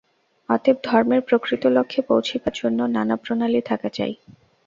অতএব ধর্মের প্রকৃত লক্ষ্যে পৌঁছিবার জন্য নানা প্রণালী থাকা চাই।